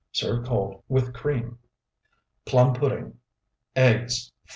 Serve cold with cream. PLUM PUDDING Eggs, 4.